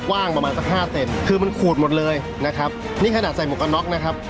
กว้างประมาณสักห้าเซนคือมันขูดหมดเลยนะครับนี่ขนาดใส่หมวกกันน็อกนะครับ